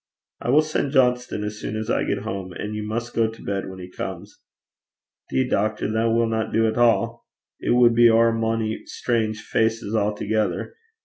'I will send Johnston as soon as I get home, and you must go to bed when he comes.' ''Deed, doctor, that winna do at a'. It wad be ower mony strange faces a'thegither.